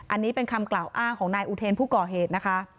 อันนี้เป็นคำกล่าวอ้างของนายอุเทนผู้ก่อเหตุนะคะ